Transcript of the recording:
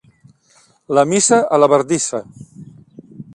La missa a la bardissa.